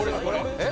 えっ？